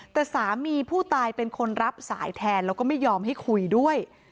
แต่สามีผู้ตายเป็นคนรับสายแทนแล้วก็ไม่ยอมให้คุยด้วย